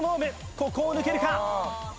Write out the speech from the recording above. ここを抜けるか？